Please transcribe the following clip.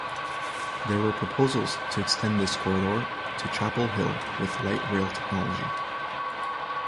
There were proposals to extend this corridor to Chapel Hill with light rail technology.